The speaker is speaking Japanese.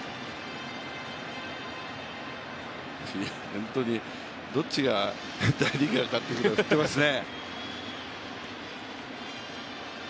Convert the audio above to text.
本当に、どっちが大リーガーかっていう、振ってますね。